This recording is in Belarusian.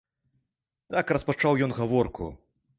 Так распачаў ён гаворку.